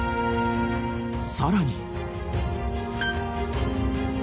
［さらに］